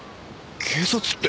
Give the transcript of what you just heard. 警察って。